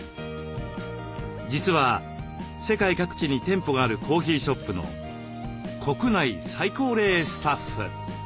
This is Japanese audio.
実は世界各地に店舗があるコーヒーショップの国内最高齢スタッフ。